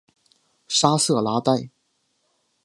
沙瑟拉代。